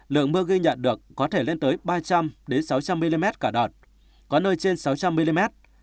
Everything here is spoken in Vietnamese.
lượng mưa ghi nhận được có thể lên tới ba trăm linh sáu trăm linh mm cả đợt có nơi trên sáu trăm linh mm